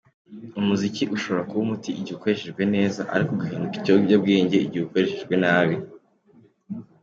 Umuziki ushobora kuba umuti igihe ukoreshejwe neza ariko ugahinduka ikiyobyabwenge igihe ukoreshejwe nabi.